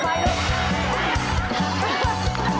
ไปเร็วเร็ว